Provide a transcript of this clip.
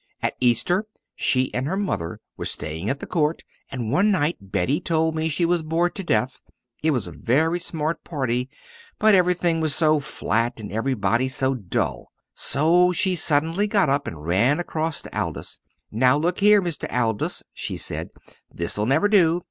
At Easter she and her mother were staying at the Court, and one night Betty told me she was bored to death. It was a very smart party, but everything was so flat and everybody was so dull. So she suddenly got up and ran across to Aldous. 'Now look here, Mr. Aldous,' she said; 'this'll never do!